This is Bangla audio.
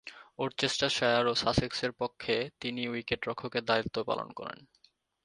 ওরচেস্টারশায়ার ও সাসেক্সের পক্ষে তিনি উইকেট-রক্ষকের দায়িত্ব পালন করেন।